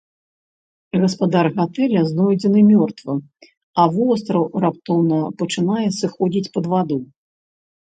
Гаспадар гатэля знойдзены мёртвым, а востраў раптоўна пачынае сыходзіць пад ваду.